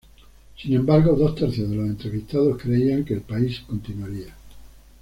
Sin embargo, dos tercios de los entrevistados creían que el país continuaría.